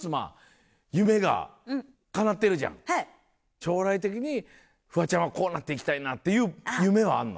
将来的にフワちゃんはこうなっていきたいなっていう夢はあんの？